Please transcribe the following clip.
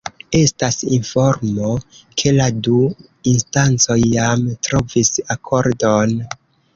Estas informo, ke la du instancoj jam trovis akordon.